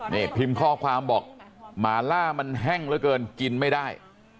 นี่พิมพ์ข้อความบอกหมาล่ามันแห้งเหลือเกินกินไม่ได้